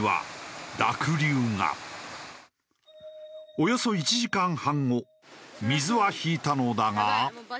およそ１時間半後水は引いたのだが。